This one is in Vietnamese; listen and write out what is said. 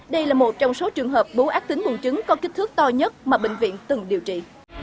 đây là một trong số trường hợp bú ác tính bùn trứng có kích thước to nhất mà bệnh viện từng điều trị